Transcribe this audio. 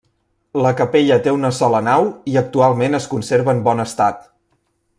La capella té una sola nau i actualment es conserva en bon estat.